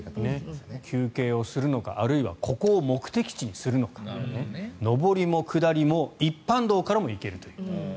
休憩をするのかあるいはここを目的地にするのか上りも下りも一般道からも行けるという。